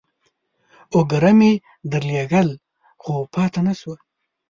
اوگره مې درلېږل ، خو پاته نسوه.